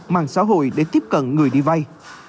mạng xã hội để tiếp cận người đi vay